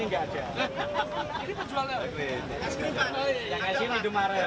ini adalah tempat yang asli di jemaah